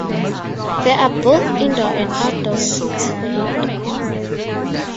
There are both indoor and outdoor seats for it.